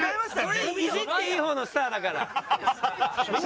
それいじっていい方のスターだから。